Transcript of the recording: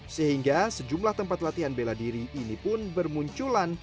sehingga sejumlah tempat latihan bela diri ini pun bermunculan